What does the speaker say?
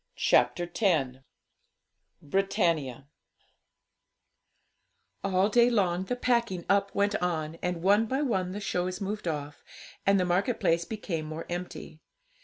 CHAPTER X BRITANNIA All day long the packing up went on, and one by one the shows moved off, and the market place became more empty.